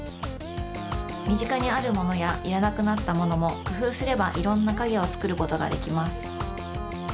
みぢかにあるものやいらなくなったものもくふうすればいろんなかげをつくることができます。